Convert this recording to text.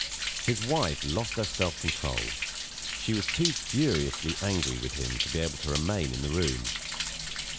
His wife lost her self control. She was too furiously angry with him to be able to remain in the room.